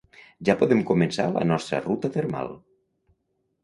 ja podem començar la nostra ruta termal